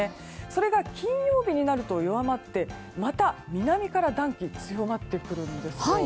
それが金曜日になると弱まってまた南から暖気が強まってくるんですよ。